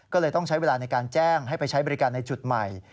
ก็เลยต้องใช้เวลาในการแจ้งให้ไปใช้บริการในจุดใหม่